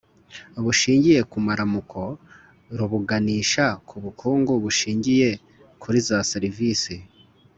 bushingiye ku maramuko ribuganisha ku bukungu bushingiye kuri za serivisi,